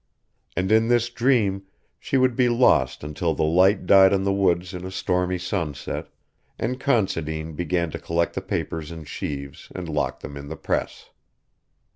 And in this dream she would be lost until the light died on the woods in a stormy sunset, and Considine began to collect the papers in sheaves and lock them in the press.